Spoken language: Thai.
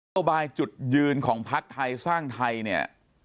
ต่อไปจุดยืนของพลักษณ์ไทยสร้างไทยเนี่ย